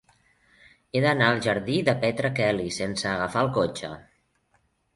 He d'anar al jardí de Petra Kelly sense agafar el cotxe.